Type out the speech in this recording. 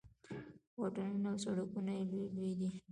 واټونه او سړکونه یې لوی لوی دي.